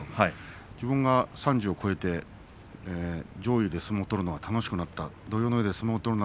自分が３０を超えて上位で相撲を取るのが楽しくなった。